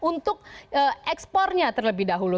untuk ekspornya terlebih dahulu